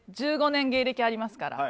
１５年芸歴ありますから。